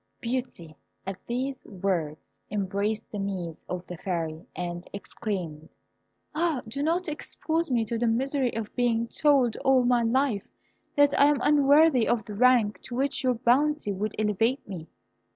Beauty, at these words, embraced the knees of the Fairy, and exclaimed, "Ah, do not expose me to the misery of being told all my life that I am unworthy of the rank to which your bounty would elevate me.